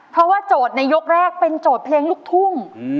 เพราะว่าโจทย์ในยกแรกเป็นโจทย์เพลงลูกทุ่ง